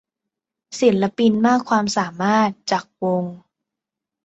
ศิลปินมากความสามารถจากวง